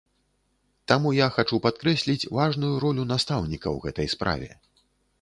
Таму я хачу падкрэсліць важную ролю настаўніка ў гэтай справе.